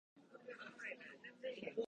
アルバイトを辞めたいと思っている